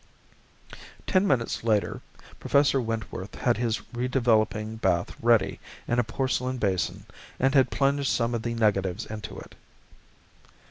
Ten minutes later, Professor Wentworth had his re developing bath ready in a porcelain basin and had plunged some of the negatives into it.